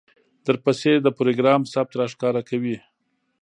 درپسې د پروګرام ثبت راښکاره کوي،